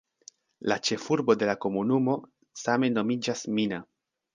La ĉefurbo de la komunumo same nomiĝas "Mina".